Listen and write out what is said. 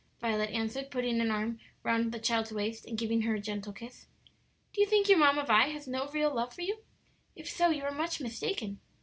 Violet answered, putting an arm round the child's waist and giving her a gentle kiss. "Do you think your Mamma Vi has no real love for you? If so, you are much mistaken.